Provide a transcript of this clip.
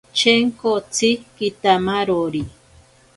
Chenkotsi kitamarori.